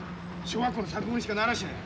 小学校の作文にしかなりゃしない。